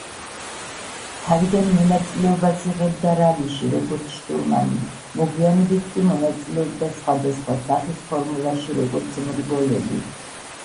თავიდან მონაწილეობას იღებდა რალიში როგორც შტურმანი, მოგვიანებით კი მონაწილეობდა სხვადასხვა სახის ფორმულაში როგორც მრბოლელი.